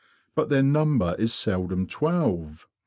But their number is seldom twelve.